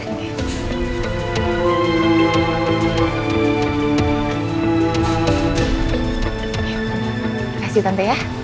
oke makasih tante ya